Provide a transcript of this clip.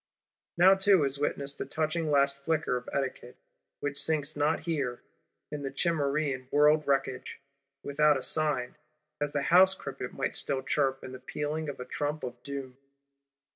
Now too is witnessed the touching last flicker of Etiquette; which sinks not here, in the Cimmerian World wreckage, without a sign, as the house cricket might still chirp in the pealing of a Trump of Doom.